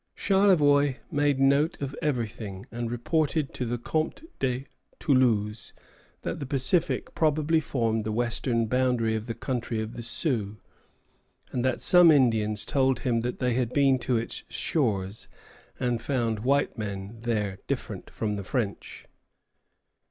Charlevoix made note of everything, and reported to the Comte de Toulouse that the Pacific probably formed the western boundary of the country of the Sioux, and that some Indians told him that they had been to its shores and found white men there different from the French.